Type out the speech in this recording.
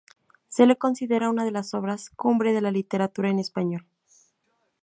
Se la considera una de las obras cumbre de la literatura en español.